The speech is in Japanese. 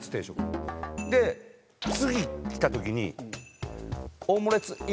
で次来た時に。